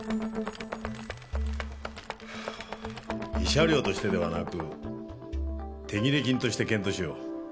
慰謝料としてではなく手切れ金として検討しよう。